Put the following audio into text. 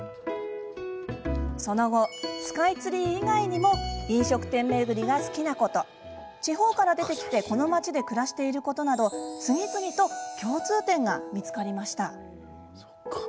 その後、スカイツリ―以外にも飲食店巡りが好きなこと地方から出てきてこの町で暮らしていることなど次々と共通点が見つかりました。